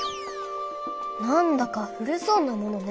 なんだか古そうなものね。